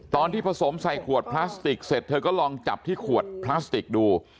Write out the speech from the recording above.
ตอนที่ผสมใส่ขวดพลาสติกเสร็จเธอก็ลองจับที่ขวดพลาสติกดู